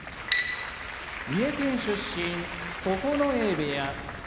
三重県出身九重部屋